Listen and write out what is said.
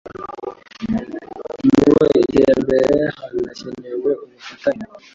Mu iterambere hanakenewe ubufatanye